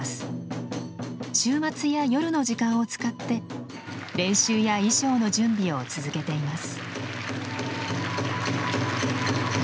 週末や夜の時間を使って練習や衣装の準備を続けています。